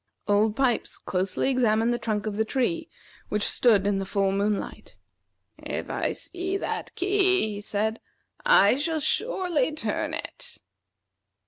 Old Pipes closely examined the trunk of the tree, which stood in the full moonlight. "If I see that key," he said, "I shall surely turn it."